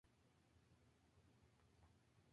Ocupaba la mitad norte del altillo.